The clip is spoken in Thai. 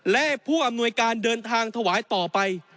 และผู้อำนวยการเดินทางถวายต่อไป